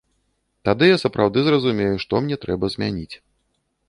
Тады я сапраўды зразумею, што мне трэба змяніць.